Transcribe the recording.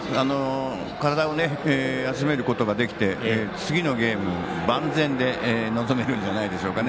体を休めることができて次のゲーム、万全で臨めるんじゃないでしょうかね。